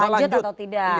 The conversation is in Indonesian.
lanjut atau tidak